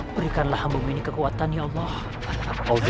berikanlah hamba mu ini kekuatan ya allah